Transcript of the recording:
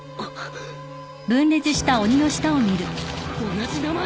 同じ名前！？